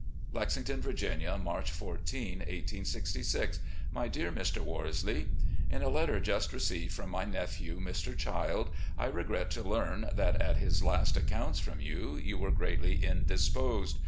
"Lexington, Virginia, March 14, 1866. "My Dear Mr. Worsley: In a letter just received from my nephew, Mr. Childe, I regret to learn that, at his last accounts from you, you were greatly indisposed.